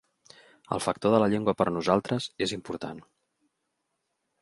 El factor de la llengua per nosaltres és important.